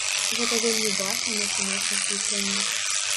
Гэта вельмі бачна на сумесных вучэннях.